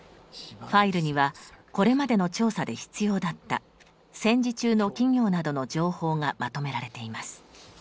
ファイルにはこれまでの調査で必要だった戦時中の企業などの情報がまとめられています。